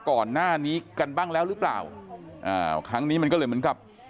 ก่อนหน้านี้กันบ้างแล้วหรือเปล่าอ่าครั้งนี้มันก็เลยเหมือนกับ